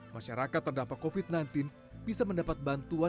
masyarakat terdampak covid sembilan belas bisa mendapat bantuan